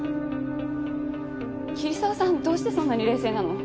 桐沢さんどうしてそんなに冷静なの？